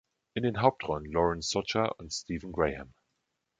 In den Hauptrollen Lauren Socha und Stephen Graham.